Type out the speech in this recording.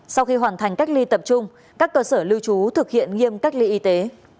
sau khi hoàn thành cách ly tập trung các cơ sở lưu trú thực hiện nghiêm cách ly y tế